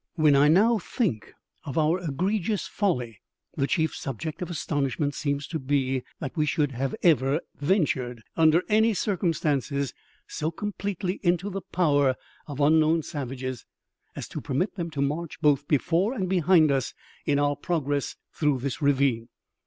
When I now think of our egregious folly, the chief subject of astonishment seems to be, that we should have ever ventured, under any circumstances, so completely into the power of unknown savages as to permit them to march both before and behind us in our progress through this ravine.